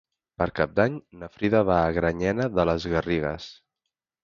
Per Cap d'Any na Frida va a Granyena de les Garrigues.